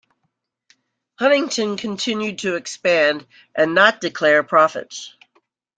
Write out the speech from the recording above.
Huntington continued to expand and not declare profits.